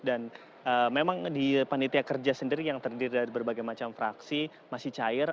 dan memang di panetia kerja sendiri yang terdiri dari berbagai macam fraksi masih cair